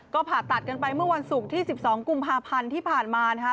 ก็ผ่าตัดกันไปเมื่อวันศุกร์ที่๑๒กุมภาพันธ์ที่ผ่านมานะคะ